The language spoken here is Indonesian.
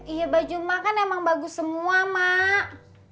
iya baju mak kan emang bagus semua mak